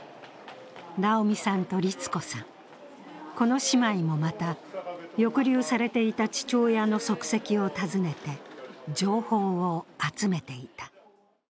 直美さんと律子さん、この姉妹もまた抑留されていた父親の足跡を訪ねて、情報を集めていた。